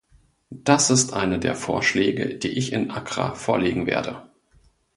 Das ist einer der Vorschläge, die ich in Accra vorlegen werde.